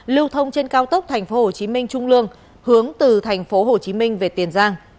lưu thông trên cao tốc thành phố hồ chí minh trung lương hướng từ thành phố hồ chí minh về tiền giang